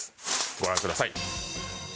ご覧ください。